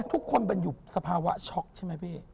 ทุกคนเป็นอยู่สภาวะช็อกใช่ไหมพี่